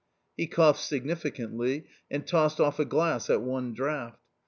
He coughed significantly and tossed off a glass at one draught.